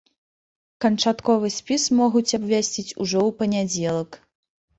Канчатковы спіс могуць абвясціць ужо ў панядзелак.